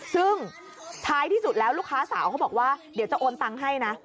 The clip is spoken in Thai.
ซึ่งท้ายที่สุดแล้วลูกค้าสาวเขาบอกว่าเดี๋ยวจะโอนตังค์ให้นะ